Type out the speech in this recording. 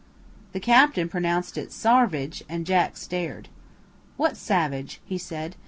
The captain pronounced it "sarvidge," and Jack stared. "What savage?" he said.